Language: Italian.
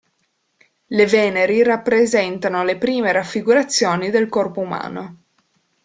Le veneri rappresentano le prime raffigurazioni del corpo umano.